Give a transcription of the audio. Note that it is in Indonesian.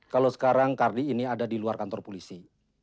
kalau sekarang kardi ini ada di luar kantor polisi